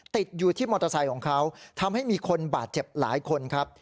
ติดอยู่ที่มอเตอร์ไซค์ของเขาทำให้มีคนบาดเจ็บหลายคนครับ